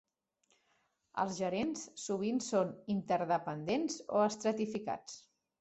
Els gerents sovint són interdependents o estratificats.